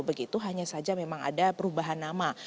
begitu hanya saja memang ada perubahan nama